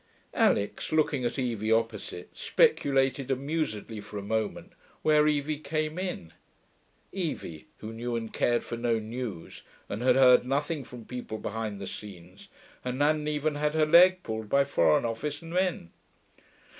Alix, looking at Evie opposite, speculated amusedly for a moment where Evie came in: Evie, who knew and cared for no news and had heard nothing from people behind the scenes, and hadn't even had her leg pulled by Foreign Office men.